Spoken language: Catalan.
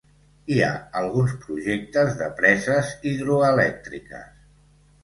Hi ha alguns projectes de preses hidroelèctriques.